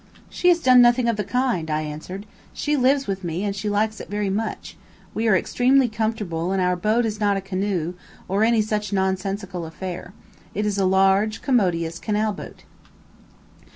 "She has done nothing of the kind," I answered. "She lives with me, and she likes it very much. We are extremely comfortable, and our boat is not a canoe, or any such nonsensical affair. It is a large, commodious canal boat."